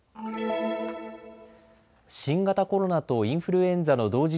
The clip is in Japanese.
新型コロナとインフルエンザの同時